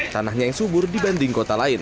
tanahnya yang subur dibanding kota lain